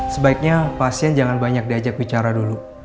sebaiknya pasien jangan banyak diajak bicara dulu